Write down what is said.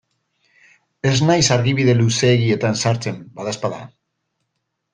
Ez naiz argibide luzeegietan sartzen, badaezpada.